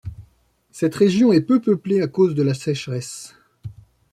Cette région est peu peuplée à cause de la sécheresse.